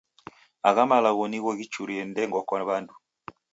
Agha malagho nigho ghichurie ndengwa kwa w'andu.